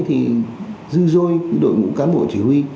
thì dư dôi đội ngũ cán bộ chỉ huy